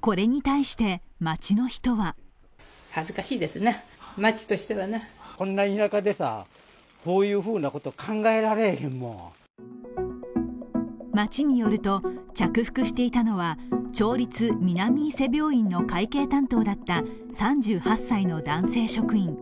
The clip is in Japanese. これに対して町の人は町によると、着服していたのは町立南伊勢病院の会計担当だった３８歳の男性職員。